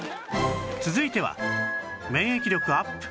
続いては免疫力アップ